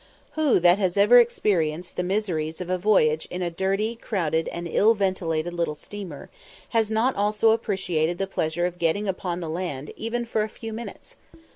Who that has ever experienced the miseries of a voyage in a dirty, crowded, and ill ventilated little steamer, has not also appreciated the pleasure of getting upon the land even for a few minutes?